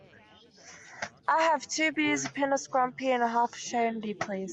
I'll have two beers, a pint of scrumpy and half a shandy please